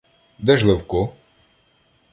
— Де ж Левко?